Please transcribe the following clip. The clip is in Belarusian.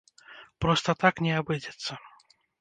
Проста так не абыдзецца.